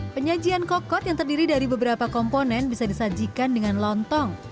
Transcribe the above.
penyajian kokot yang terdiri dari beberapa komponen bisa disajikan dengan lontong